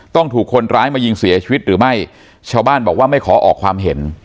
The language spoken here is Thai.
ถูกคนร้ายมายิงเสียชีวิตหรือไม่ชาวบ้านบอกว่าไม่ขอออกความเห็น